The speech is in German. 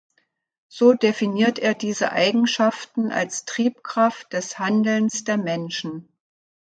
So definiert er diese Eigenschaften als Triebkraft des Handelns der Menschen.